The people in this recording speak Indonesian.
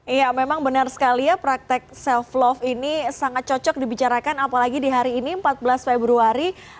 iya memang benar sekali ya praktek self love ini sangat cocok dibicarakan apalagi di hari ini empat belas februari